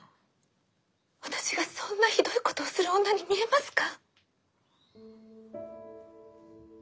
私がそんなひどいことをする女に見えますか？